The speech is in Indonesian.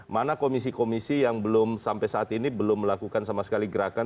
mana komisi komisi yang belum sampai saat ini belum melakukan sama sekali gerakan